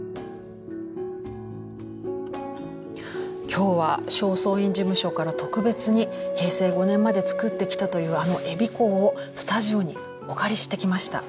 今日は正倉院事務所から特別に平成５年まで作ってきたというあの「衣香」をスタジオにお借りしてきました。